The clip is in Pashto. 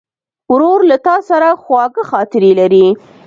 ورور له تا سره خواږه خاطرې لري.